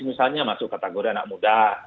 misalnya masuk kategori anak muda